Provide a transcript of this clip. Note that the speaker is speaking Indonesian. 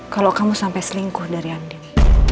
kalau kamu sampai selingkuh dari andi